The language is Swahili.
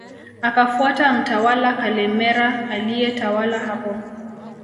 Akafuata mtawala Kalemera aliyetawala hapo